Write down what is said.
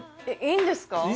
えっいいんですか？